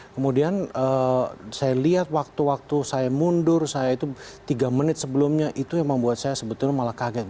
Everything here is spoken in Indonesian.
kemudian saya lihat waktu waktu saya mundur saya itu tiga menit sebelumnya itu yang membuat saya sebetulnya malah kaget